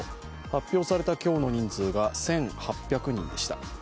発表された今日の人数が１８００人でした。